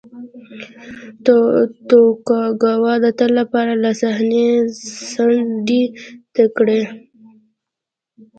توکوګاوا د تل لپاره له صحنې څنډې ته کړي.